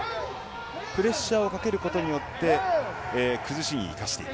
プレッシャーをかけることによって崩しに生かしていく。